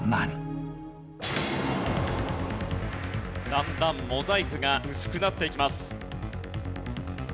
だんだんモザイクが薄くなっていきます。